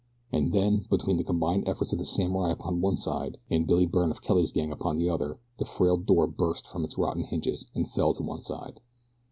And then, between the combined efforts of the samurai upon one side and Billy Byrne of Kelly's gang upon the other the frail door burst from its rotten hinges and fell to one side.